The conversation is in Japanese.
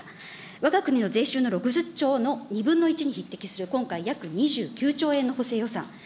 わが国の税収の６０兆の２分の１に匹敵する今回約２９兆円の補正予算。